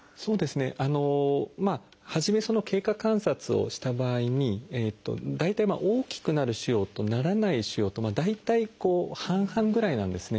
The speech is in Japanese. あの初め経過観察をした場合に大体大きくなる腫瘍とならない腫瘍と大体半々ぐらいなんですね。